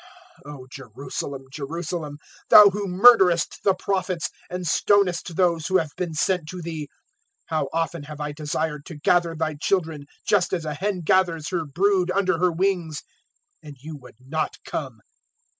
013:034 O Jerusalem, Jerusalem, thou who murderest the Prophets and stonest those who have been sent to thee, how often have I desired to gather thy children just as a hen gathers her brood under her wings, and you would not come!